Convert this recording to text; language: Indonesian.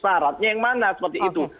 syaratnya yang mana seperti itu